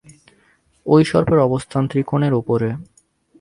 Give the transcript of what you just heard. ঐ সর্পের অবস্থান ত্রিকোণের উপরে।